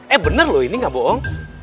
eh bener loh ini gak bohong